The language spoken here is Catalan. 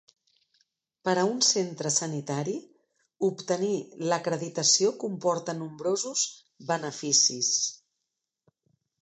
Per a un centre sanitari, obtenir l'acreditació comporta nombrosos beneficis.